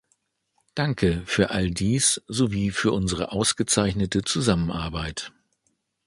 Danke für all dies sowie für unsere ausgezeichnete Zusammenarbeit!